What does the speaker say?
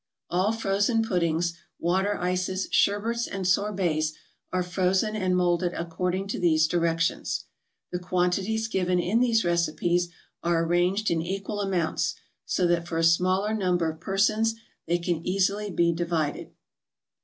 All frozen puddings, water ices, sherbets and sorbets are frozen and molded according to these directions. The quantities given in these recipes are arranged in equal amounts, so that for a smaller number of persons they can be easily divided.